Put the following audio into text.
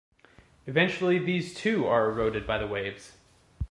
Eventually these too are eroded by the waves.